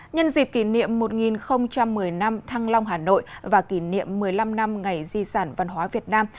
nhân dịp kỷ niệm một nghìn một mươi năm thăng long hà nội và kỷ niệm một mươi năm năm ngày di sản văn hóa việt nam